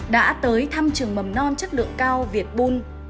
đã tới thăm trường mầm non chất lượng cao việt bun